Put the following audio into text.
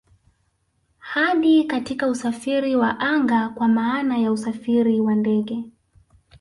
Hadi katika usafiri wa anga kwa maana ya usafiri wa ndege